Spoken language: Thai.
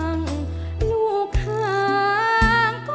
เพลงที่สองเพลงมาครับ